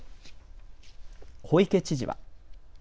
小池知事は。